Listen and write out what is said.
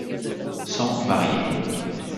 Sans varier